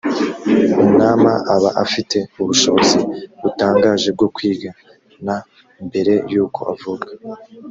umwama aba afite ubushobozi butangaje bwo kwiga na mbere y’ uko avuka.